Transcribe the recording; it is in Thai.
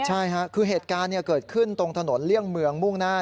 ใช่ค่ะคือเหตุการณ์เกิดขึ้นตรงถนนเลี่ยงเมืองมุ่งหน้า